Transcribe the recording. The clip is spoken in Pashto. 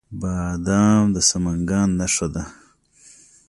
بادام د سمنګان نښه ده.